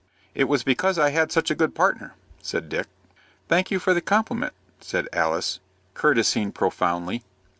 "It was because I had such a good partner," said Dick. "Thank you for the compliment," said Alice, courtesying profoundly.